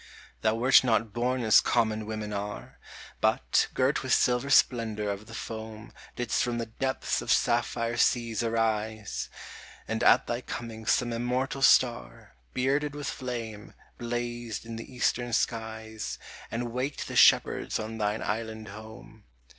Thou wert not born as common women are ! But, girt with silver splendor of the foam, ^ Didst from the depths of sapphire seas arise ! And at thy coming some immortal star, Bearded with flame, blazed in the Eastern skies, And waked the shepherds on thine island home.